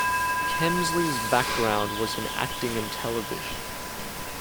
Kemsley's background was in acting and television.